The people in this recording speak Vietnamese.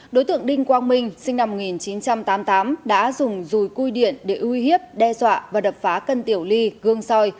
đối tượng đinh quang minh sinh năm một nghìn chín trăm tám mươi tám đã dùng rùi cui điện để uy hiếp đe dọa và đập phá cân tiểu ly gương soi